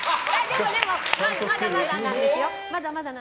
でも、まだまだなんですよ。